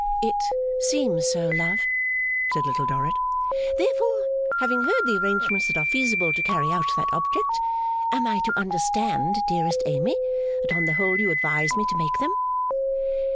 'It seems so, love,' said Little Dorrit. 'Therefore, having heard the arrangements that are feasible to carry out that object, am I to understand, dearest Amy, that on the whole you advise me to make them?